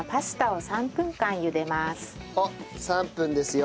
あっ３分ですよ。